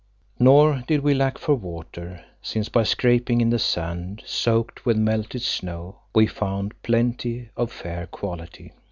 Nor did we lack for water, since by scraping in the sand soaked with melted snow, we found plenty of fair quality.